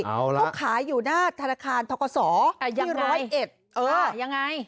เขาขายอยู่หน้าธนาคารธกสรที่๑๐๑